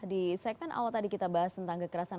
di segmen awal tadi kita bahas tentang kekerasan